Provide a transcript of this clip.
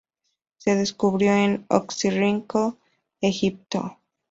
Se descubrió en Oxirrinco, Egipto.